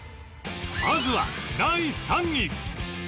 まずは第３位